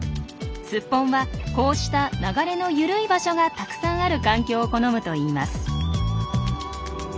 スッポンはこうした流れの緩い場所がたくさんある環境を好むといいます。